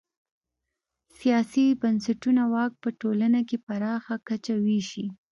سیاسي بنسټونه واک په ټولنه کې پراخه کچه وېشي.